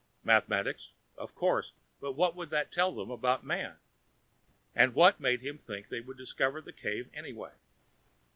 Mathematics? Of course, but what would that tell them about Man? And what made him think they would discover the cave anyway?